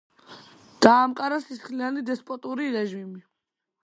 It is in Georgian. დაამყარა სისხლიანი დესპოტური რეჟიმი.